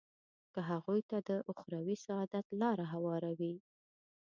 که هغوی ته د اخروي سعادت لاره هواروي.